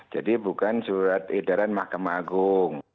jadi bukan surat edaran mahkamah agung